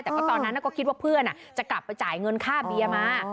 แต่ก็ตอนนั้นก็คิดว่าเพื่อนจะกลับไปจ่ายเงินค่าเบียร์มา